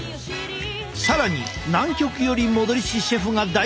更に南極より戻りしシェフが大公開。